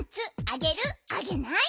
あげない？